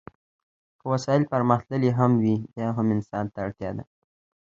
که وسایل پرمختللي هم وي بیا هم انسان ته اړتیا ده.